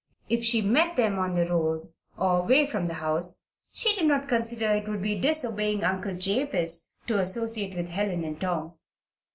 If she met them on the road, or away from the house, she did not consider that it would be disobeying Uncle Jabez to associate with Helen and Tom.